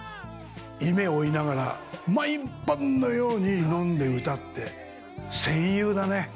夢を追いながら毎晩のように飲んで歌って戦友だね。